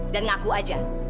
dan ngaku aja